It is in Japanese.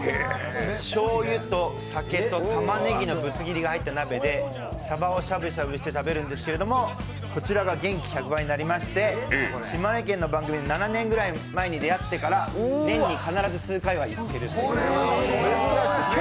しょうゆとさけとタマネギのぶつ切りが入った鍋で鯖をしゃぶしゃぶして食べるんですけどこちらが元気１００倍になりまして島根県の番組で７年ぐらい前に出会ってから年に必ず数回は食べます。